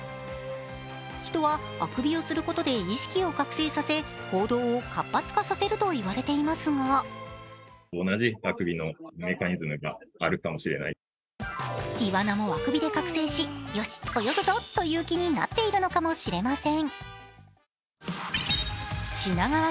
人は、あくびをすることで意識を覚醒させ行動を活発化させるといわれていますがいわなもあくびで覚醒し、よし、泳ぐぞという気になっているのかもしれません。